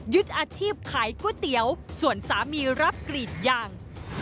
อาชีพขายก๋วยเตี๋ยวส่วนสามีรับกรีดยาง